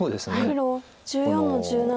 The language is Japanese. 黒１４の十七。